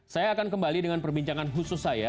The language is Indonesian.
saya akan kembali dengan perbincangan khusus saya